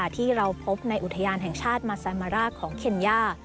ที่เราพบในอุทยานแห่งชาติมาซามาร่าของเคนย่า